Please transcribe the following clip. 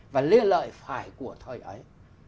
và lê lợi phải của thời ấy